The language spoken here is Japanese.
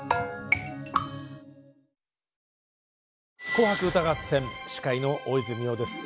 「紅白歌合戦」司会の大泉洋です。